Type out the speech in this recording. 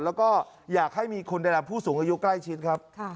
แล้วก็อยากให้มีคนได้รับผู้สูงอายุใกล้ชิดครับ